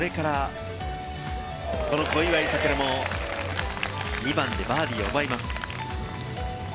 小祝さくらも２番でバーディーを奪います。